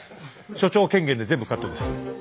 所長権限で全部カットです。